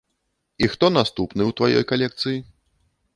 І хто наступны ў тваёй калекцыі?